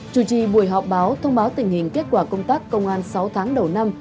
chủ trì buổi họp báo thông báo tình hình kết quả công tác công an sáu tháng đầu năm